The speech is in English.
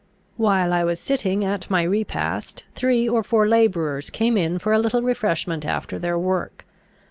While I was sitting at my repast, three or four labourers came in for a little refreshment after their work.